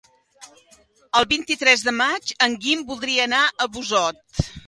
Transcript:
El vint-i-tres de maig en Guim voldria anar a Busot.